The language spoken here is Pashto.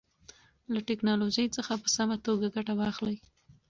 له ټیکنالوژۍ څخه په سمه توګه ګټه واخلئ.